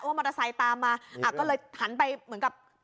มึงมาตะไซค์ตามมาหันไปเหมือนกับ